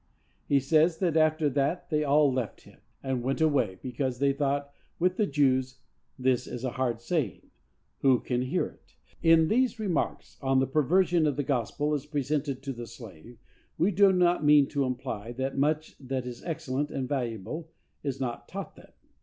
He says that after that they all left him, and went away, because they thought, with the Jews, "This is a hard saying; who can hear it?" In these remarks on the perversion of the gospel as presented to the slave, we do not mean to imply that much that is excellent and valuable is not taught him.